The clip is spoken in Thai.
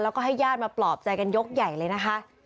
แล้วก็ให้ญาติมาปลอบใจกันยกใหญ่เลยนะคะ